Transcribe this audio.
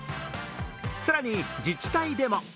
更に、自治体でも。